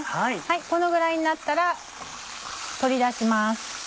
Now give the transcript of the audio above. このぐらいになったら取り出します。